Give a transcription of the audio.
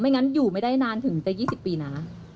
งั้นอยู่ไม่ได้นานถึงจะ๒๐ปีนะ